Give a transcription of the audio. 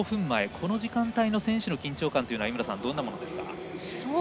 この時間帯の選手の緊張感は井村さん、どんなものですか？